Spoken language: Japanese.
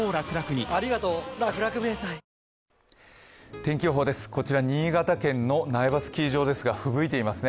天気予報です、こちら新潟県の苗場スキー場ですが、ふぶいていますね。